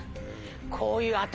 こういう。